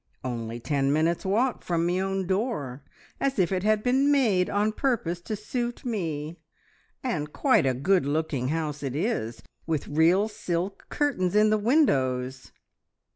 Only ten minutes' walk from me own door, as if it had been made on purpose to suit me! And quite a good looking house it is, with real silk curtains in the windows."